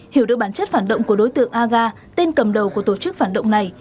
hiểu được bản chất phản động của đối tượng aga tên cầm đầu của tổ chức phản động này